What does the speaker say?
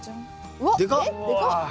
うわ！えっでかっ。